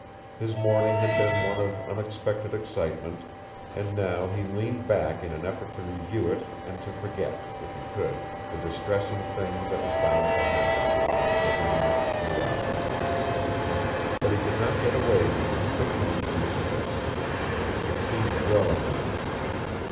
His morning had been one of unexpected excitement, and now he leaned back in an effort to review it and to forget, if he could, the distressing thing that was bound to happen to him within the next few hours. But he could not get away from the thickening in his chest. It seemed growing on him.